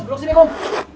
duduk sini kum